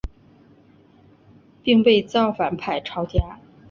并被造反派抄家。